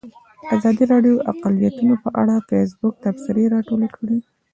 ازادي راډیو د اقلیتونه په اړه د فیسبوک تبصرې راټولې کړي.